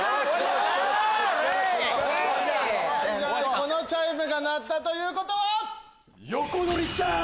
このチャイムが鳴ったということは？